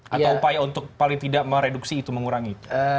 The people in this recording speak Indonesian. atau upaya untuk paling tidak mereduksi itu mengurangi